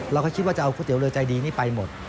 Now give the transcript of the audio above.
เราก็คิดว่าจะเอาก๋วเรือใจดีนี่ไปหมด